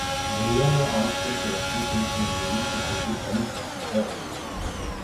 دنیا میں آج کل کرپشن ایک موضوعی تصور بن چکی ہے۔